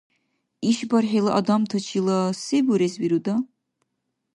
ИшбархӀила адамтачила се бурес вируда?